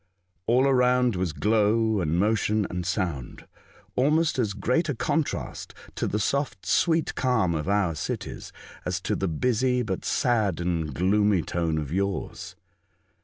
All around was glow, and motion, and sound ; almost as great a contrast to the soft, sweet calm of our cities, as to the busy, but sad and gloomy tone of yours.